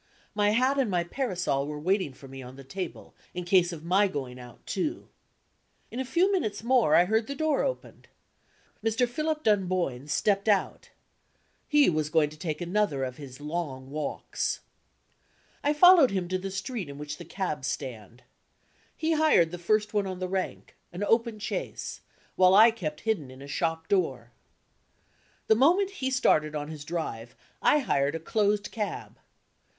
My hat and my parasol were waiting for me on the table, in case of my going out, too. In a few minutes more, I heard the door opened. Mr. Philip Dunboyne stepped out. He was going to take another of his long walks. I followed him to the street in which the cabs stand. He hired the first one on the rank, an open chaise; while I kept myself hidden in a shop door. The moment he started on his drive, I hired a closed cab.